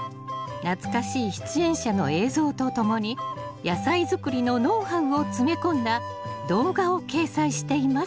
懐かしい出演者の映像とともに野菜作りのノウハウを詰め込んだ動画を掲載しています。